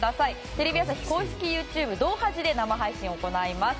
テレビ朝日公式ＹｏｕＴｕｂｅ「動はじ」で生配信を行います。